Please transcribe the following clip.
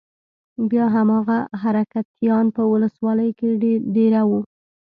بيا هماغه حرکتيان په ولسوالۍ کښې دېره وو.